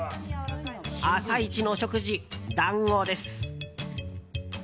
朝イチの食事、団子です。